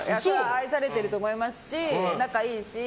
愛されていると思いますし仲いいし。